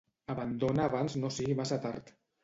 Abandona abans no sigui massa tard.